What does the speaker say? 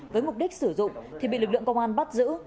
với mục đích sử dụng thì bị lực lượng công an bắt giữ